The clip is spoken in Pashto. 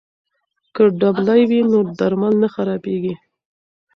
که ډبلي وي نو درمل نه خرابېږي.